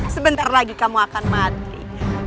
sebentar lagi kamu akan mati